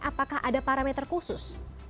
apakah ada parameter khusus